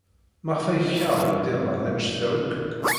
Maɣef ay keṛhent iḍan anect-a akk?